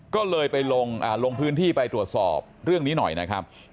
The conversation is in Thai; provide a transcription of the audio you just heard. ก็เลยไปลงพื้นที่ไปตรวจสอบเรื่องนี้หน่อยนะครับ